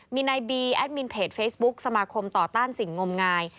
มีนายบีแอดมินเพจเฟซบุ๊กสมาคมต่อต้านสิ่งงมงาย